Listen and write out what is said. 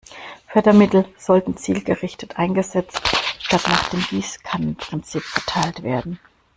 Fördermittel sollten zielgerichtet eingesetzt statt nach dem Gießkannen-Prinzip verteilt werden.